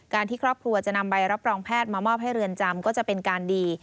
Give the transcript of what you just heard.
ที่ครอบครัวจะนำใบรับรองแพทย์มามอบให้เรือนจำก็จะเป็นการดี